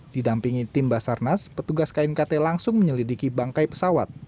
didampingi tim basarnas petugas knkt langsung menyelidiki bangkai pesawat